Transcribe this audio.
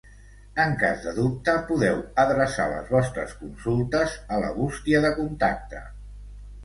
En cas de dubte podeu adreçar les vostres consultes a la bústia de contacte.